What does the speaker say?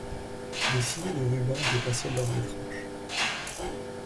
Des signets de rubans dépassaient l'or des tranches.